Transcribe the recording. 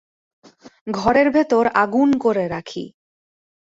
ঘরের ভেতর আগুন করে রাখি।